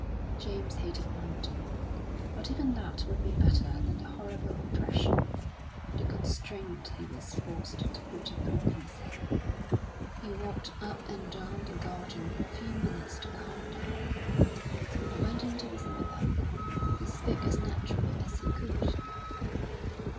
James hated London, but even that would be better than the horrible oppression, the constraint he was forced to put upon himself. He walked up and down the garden for a few minutes to calm down, and went in to his mother. He spoke as naturally as he could.